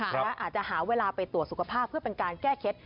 อาจจะหาเวลาไปตรวจสุขภาพเพื่อเป็นการแก้เคล็ด